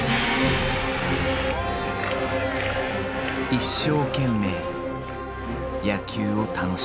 一生懸命野球を楽しむ。